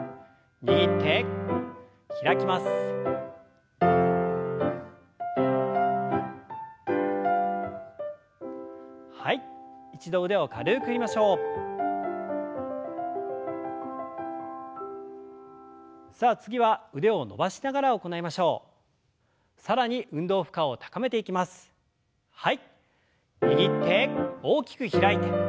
握って大きく開いて。